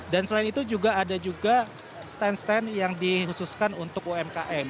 dan selain itu juga ada stand stand yang dikhususkan untuk umkm